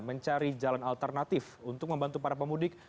mencari jalan alternatif untuk membantu para pemudik